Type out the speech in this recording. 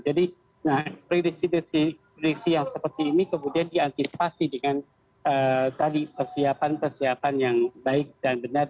jadi prediksi yang seperti ini kemudian diantisipasi dengan tadi persiapan persiapan yang baik dan benar